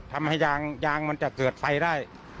ทำให้ยางยางมันจะเกิดไฟได้